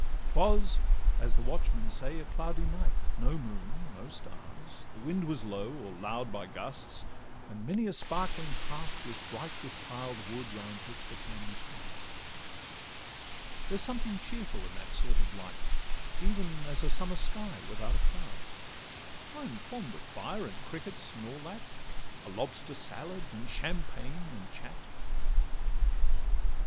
'Twas, as the watchmen say, a cloudy night; No moon, no stars, the wind was low or loud By gusts, and many a sparkling hearth was bright With the piled wood, round which the family crowd; There's something cheerful in that sort of light, Even as a summer sky 's without a cloud: I'm fond of fire, and crickets, and all that, A lobster salad, and champagne, and chat.